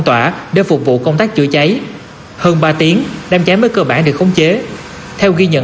tỏa để phục vụ công tác chữa cháy hơn ba tiếng đám cháy mới cơ bản được khống chế theo ghi nhận